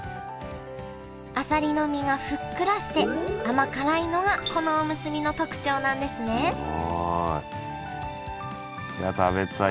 あさりの身がふっくらして甘辛いのがこのおむすびの特徴なんですねいや食べたい。